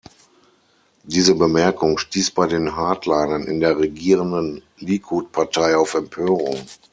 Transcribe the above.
Diese Bemerkung stieß bei den Hardlinern in der regierenden Likud-Partei auf Empörung.